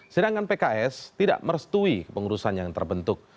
sedangkan pks tidak merestui kepengurusan yang terbentuk